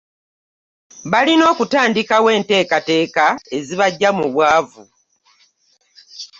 Balina okutandikawo enteekateeka ezibaggya mu bwavu